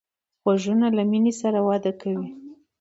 غوږونه له مینې سره وده کوي